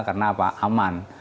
karena apa aman